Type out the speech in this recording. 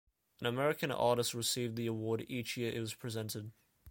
An American artist received the award each year it was presented.